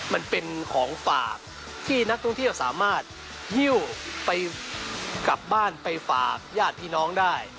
มันเป็นของฝากที่นักท่องเที่ยวสามารถหิ้วไปกลับบ้านไปฝากญาติพี่น้องได้